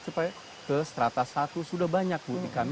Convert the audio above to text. supaya ke serata satu sudah banyak bu di kami